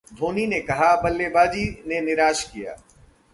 धोनी ने कहा, बल्लेबाजी ने निराश किया